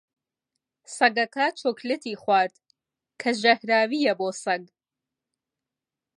سەگەکە چوکلێتی خوارد، کە ژەهراوییە بۆ سەگ.